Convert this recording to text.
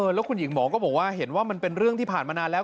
แล้วคุณหญิงหมอก็บอกว่าเห็นว่ามันเป็นเรื่องที่ผ่านมานานแล้ว